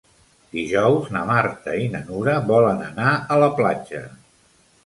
Dijous na Marta i na Nura volen anar a la platja.